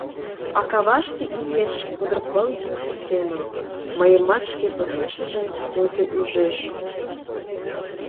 А каваште иеш кудыр пыл йӱксӧ семын, Мыйымат шке почешыже пуйто ӱжеш.